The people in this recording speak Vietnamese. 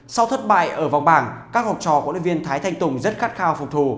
sau thất bại ở vòng bảng các học trò huấn luyện viên thái thanh tùng rất khát khao phục thù